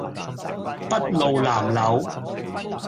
篳路藍縷